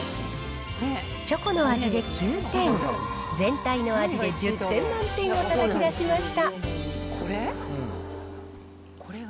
チョコの味で９点、全体の味で１０点満点をたたき出しました。